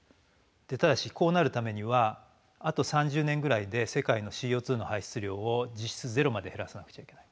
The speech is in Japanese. ただしこうなるためにはあと３０年ぐらいで世界のＣＯの排出量を実質ゼロまで減らさなくちゃいけない。